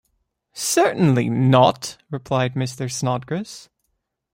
‘Certainly not,’ replied Mr. Snodgrass.